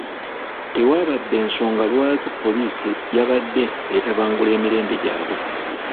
Tewaabadde nsonga lwaki poliisi yabadde etabangula emirembe gyabwe.